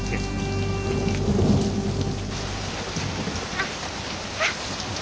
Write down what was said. あっあっ。